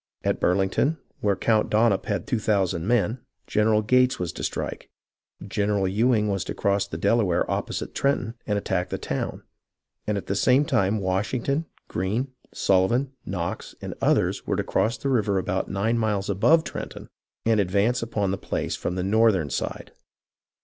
At Burlington where Count Dunop had two thousand men, General Gates was to strike ; General Ewing was to cross the Delaware opposite Trenton, and attack the town ; and at the same time Washington, Greene, Sullivan, Knox, and others were to cross the river about nine miles above Trenton and advance upon the place from the northern side.